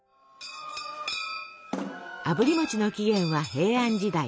あぶり餅の起源は平安時代。